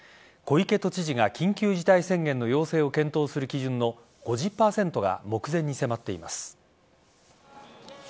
小池都知事が緊急事態宣言の要請を検討する基準の５０％が目前に迫っています。